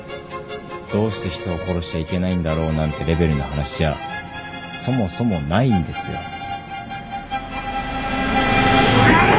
「どうして人を殺しちゃいけないんだろう」なんてレベルの話じゃそもそもないんですよ。